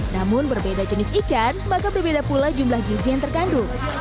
namun berbeda jenis ikan maka berbeda pula jumlah gizi yang terkandung